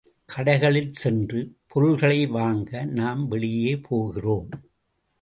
கடைகளில் சென்று பொருள்களை வாங்க நாம் வெளியே போகிறோம்.